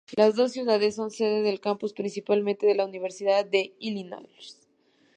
Las dos ciudades son sede del campus principal de la Universidad de Illinois.